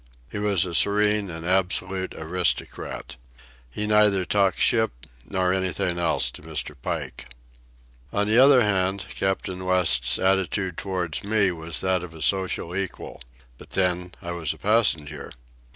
He was a serene and absolute aristocrat. He neither talked "ship" nor anything else to Mr. Pike. On the other hand, Captain West's attitude toward me was that of a social equal. But then, I was a passenger.